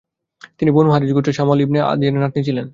তিনি বনু হারিস গোত্রের সামাওয়াল ইবনে আদিয়ার নাতনি ছিলেন।